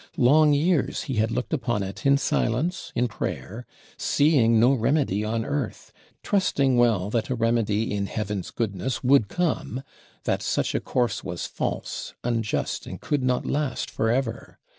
Long years he had looked upon it in silence, in prayer; seeing no remedy on Earth; trusting well that a remedy in Heaven's goodness would come, that such a course was false, unjust, and could not last forever.